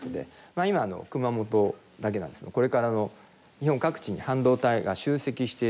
まあ今熊本だけなんですけどこれから日本各地に半導体が集積している地帯ありますんで。